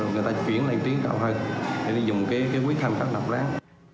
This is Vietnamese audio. rồi người ta chuyển lên tiến tạo hợp để dùng cái quyết tham khắc đọc rán